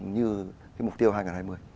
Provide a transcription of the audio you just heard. như cái mục tiêu hai nghìn hai mươi